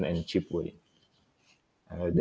dan dengan cara yang murah